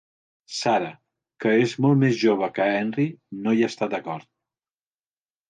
Sarah, que és molt més jove que Henry, no hi està d'acord.